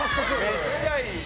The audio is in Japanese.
めっちゃいい！